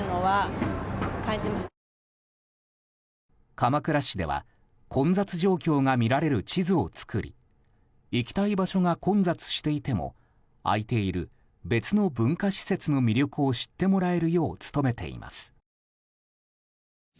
鎌倉市では混雑状況が見られる地図を作り行きたい場所が混雑していても空いている別の文化施設の魅力を知ってもらえるよう努めています。